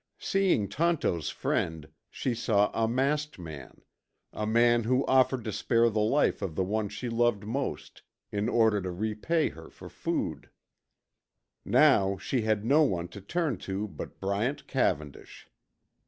Seeing Tonto's friend, she saw a masked man. A man who offered to spare the life of the one she loved most, in order to repay her for food. Now she had no one to turn to but Bryant Cavendish.